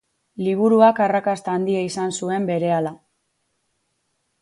Liburuak arrakasta handia izan zuen berehala.